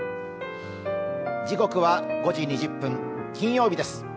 時刻は５時２０分、金曜日です。